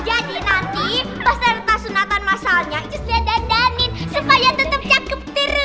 jadi nanti pas serta sunatan masalnya ijus lia dandanin supaya tetep cakep terus